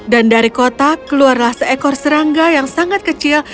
dan dari kotak keluarlah seekor serangga yang sangat mengerikan